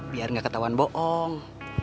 biar gak ketahuan bohong